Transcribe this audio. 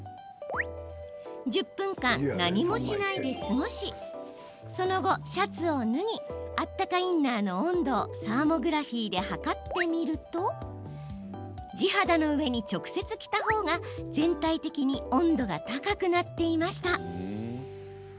１０分間、何もしないで過ごしその後、シャツを脱ぎあったかインナーの温度をサーモグラフィーで測ってみると地肌の上に直接、着たほうが全体的に温度が高くなっていました。